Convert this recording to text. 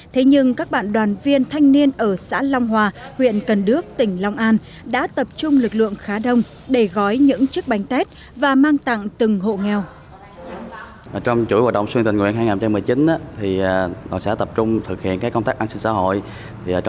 thế nhưng các bạn đoàn viên thanh niên ở xã long hòa huyện cần đước tỉnh long an đã tập trung lực lượng khá đông để gói những chiếc bánh tết và mang tặng từng hộ nghèo